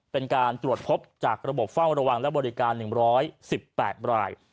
เป็นการตรวจพบจากระบบเฝ้าระวังและบริการ๑๑๘ราย